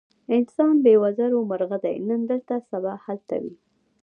انسان بې وزرو مرغه دی، نن دلته سبا هلته وي.